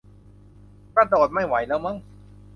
กระโดดไม่ไหวแล้วมั้ง